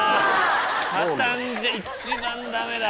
畳んじゃ一番ダメだ。